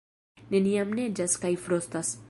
Neniam neĝas kaj frostas.